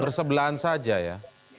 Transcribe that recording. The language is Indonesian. bersebelahan saja ya